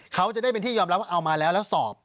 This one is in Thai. เขาจะได้เป็นที่ยอมรับว่าเอามาแล้วแล้วสอบ